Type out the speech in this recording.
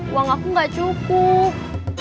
uang aku gak cukup